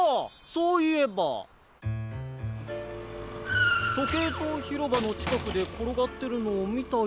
そういえば。とけいとうひろばのちかくでころがってるのをみたような。